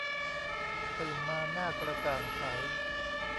ตื่นมาหน้ากระจ่างใส